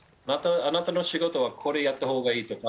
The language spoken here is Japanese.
あなたの仕事はこれやったほうがいいとか。